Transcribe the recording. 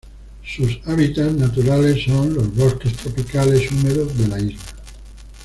Sus hábitats naturales son los bosques tropicales húmedos de la isla.